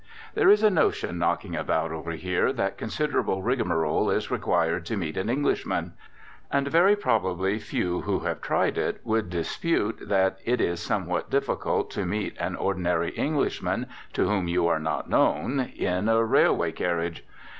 There is a notion knocking about over here that considerable rigmarole is required to meet an Englishman. And very probably few who have tried it would dispute that it is somewhat difficult to "meet" an ordinary Englishman to whom you are not known in a railway carriage.